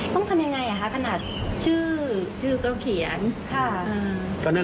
ก็คิดเอาเองก็เลยกันว่า